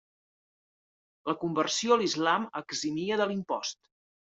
La conversió a l'islam eximia de l'impost.